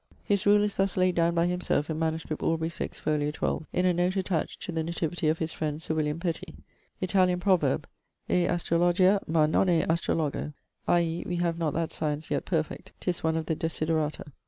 His rule is thus laid down by himself in MS. Aubr. 6, fol. 12ᵛ, in a note attached to the nativity of his friend Sir William Petty: 'Italian proverb "E astrologia, ma non é Astrologo," i.e. we have not that science yet perfect; 'tis one of the desiderata.